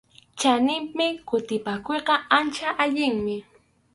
Chaninpi kutipakuyqa ancha allinmi.